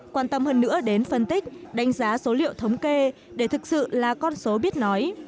quan tâm hơn nữa đến phân tích đánh giá số liệu thống kê để thực sự là con số biết nói